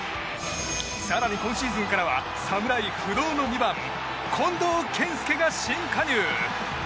更に、今シーズンからは侍不動の２番近藤健介が新加入。